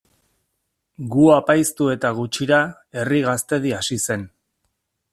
Gu apaiztu eta gutxira Herri Gaztedi hasi zen.